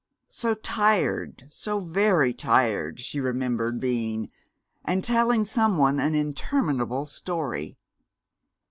So tired, so very tired, she remembered being, and telling some one an interminable story....